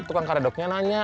tukang karedoknya nanya